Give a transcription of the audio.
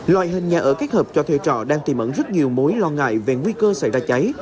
loại hình nhà ở kết hợp cho thuê trọ đang tìm ẩn rất nhiều mối lo ngại về nguy cơ xảy ra cháy